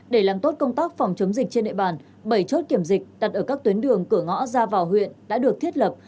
để làm tốt công tác phòng chống dịch trên địa bàn bảy chốt kiểm dịch đặt ở các tuyến đường cửa ngõ ra vào huyện đã được thiết lập